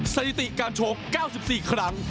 สถิติการชก๙๔ครั้ง